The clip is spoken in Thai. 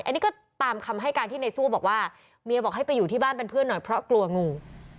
อันนี้ก็ตามคำให้การที่ในสู้บอกว่าเมียบอกให้ไปอยู่ที่บ้านเป็นเพื่อนหน่อยเพราะกลัวงู